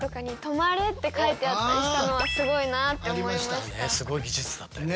私はすごい技術だったよね。